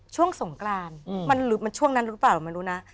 ช่วงสงกรานมันช่วงนั้นรู้หรือเปล่ามันรู้นะ